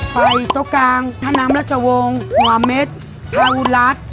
ไปโต๊ะกางถนำรัชวงศ์หัวเม็ดคาวุรัต